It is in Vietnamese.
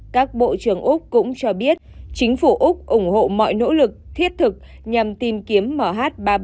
các bộ trưởng úc cũng cho biết chính phủ úc ủng hộ mọi nỗ lực thiết thực nhằm tìm kiếm mh ba trăm bảy mươi